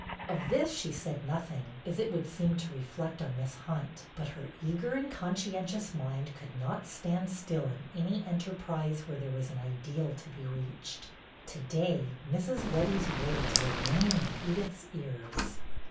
Of this she said nothing, as it would seem to reflect on Miss Hunt; but her eager and conscientious mind could not stand still in any enterprise where there was an ideal to be reached. To day Mrs. Webbie's words were ringing in Edyth's ears.